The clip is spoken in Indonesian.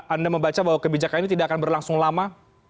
anda membaca bahwa kebijakan ini tidak akan berlangsung lama